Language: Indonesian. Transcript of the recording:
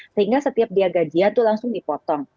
sehingga setiap dia gajian itu langsung dipotong